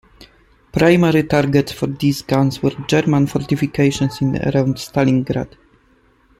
Primary targets for these guns were German fortifications in and around Stalingrad.